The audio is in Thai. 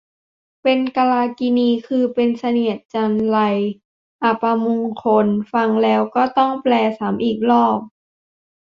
เป็นกาลกิณี คือเป็นเสนียดจัญไร อัปมงคล ฟังแล้วก็ต้องแปลซ้ำอีกรอบ